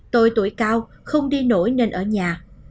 tôi tuổi cao không đi nổi nên ở nhà